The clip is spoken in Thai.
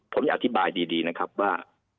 ผมอยากที่บายดีนะครับว่า